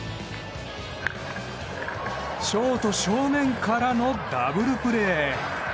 ショート正面！からのダブルプレー。